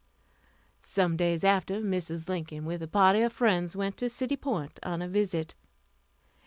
Some days after, Mrs. Lincoln, with a party of friends, went to City Point on a visit.